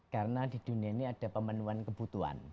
karena di dunia ini ada pemenuhan kebutuhan